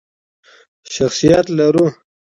شخصیت لرو.